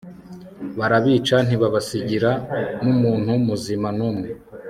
barabica ntibabasigira n'umuntu muzima n'umwe